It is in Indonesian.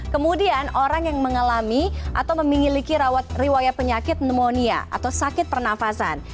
kemudian orang yang mengalami atau memiliki rawat riwayat penyakit pneumonia atau sakit pernafasan